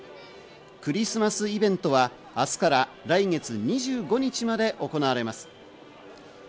クリスマスイベントは明日から来月２５日まで行われます。